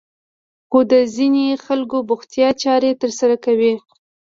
خو د ځينې خلکو بوختيا چارې ترسره کوي.